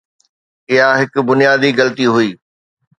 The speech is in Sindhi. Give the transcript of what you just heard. اها هڪ بنيادي غلطي هئي.